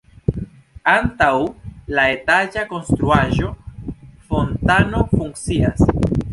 Antaŭ la etaĝa konstruaĵo fontano funkcias.